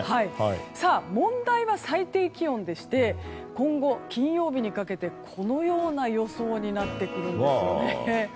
問題は最低気温でして今後、金曜日にかけてこのような予想になってくるんですよね。